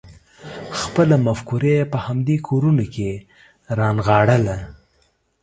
خپله مفکوره یې په همدې کورونو کې رانغاړله.